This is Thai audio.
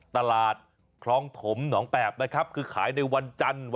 ตลาดคลองถมหนองแปบนะครับคือขายในวันจันทร์